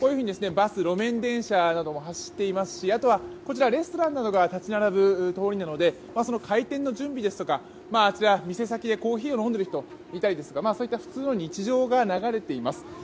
バス、路面電車なども走っていますしレストランなどが立ち並ぶ通りなので開店の準備ですとか店先でコーヒーを飲んでいる人ですとかそういった普通の日常が流れています。